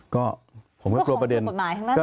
แต่มันก็ไม่ได้ผิดกฎหมายมั้ยคะ